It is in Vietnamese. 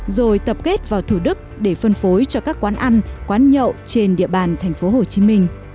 rồi tập kết vào thủ đức để phân phối cho các quán ăn quán nhậu trên địa bàn tp hcm